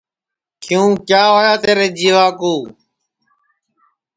کیوں کیا ہوا تیرے جیوا کُو